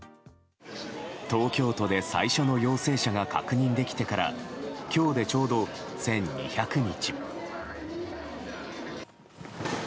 東京都で最初の陽性者が確認できてから今日でちょうど１２００日。